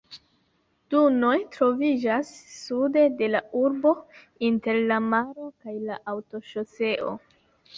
Dunoj troviĝas sude de la urbo, inter la maro kaj la aŭtoŝoseo.